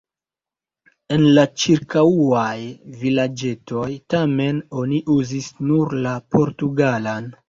En la ĉirkaŭaj vilaĝetoj, tamen, oni uzis nur la portugalan.